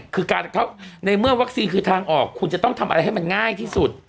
คือการเข้าในเมื่อวัคซีนคือทางออกคุณจะต้องทำอะไรให้มันง่ายที่สุด